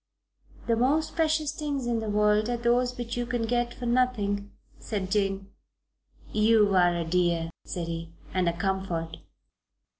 "The most precious things in the world are those which you can get for nothing," said Jane. "You're a dear," said he, "and a comfort."